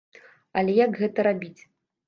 Але як гэта рабіць?